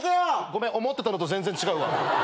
ごめん思ってたのと全然違うわ。